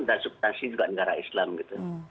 dan substansi juga negara islam gitu